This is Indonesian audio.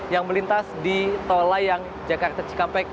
yang melintas di tol layang jakarta cikampek